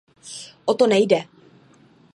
O to nejde.